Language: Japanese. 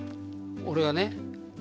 俺はね